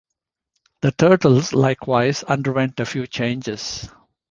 The Turtles, likewise, underwent a few changes.